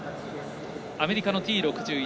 アメリカのＴ６１